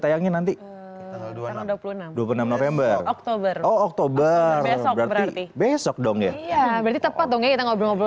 tayangin nanti dua puluh enam november oktober oktober besok besok dong ya berarti tepat dong kita ngobrol